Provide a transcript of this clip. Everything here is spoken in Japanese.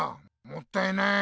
もったいない。